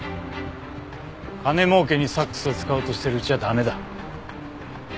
金もうけにサックスを使おうとしてるうちは駄目だ。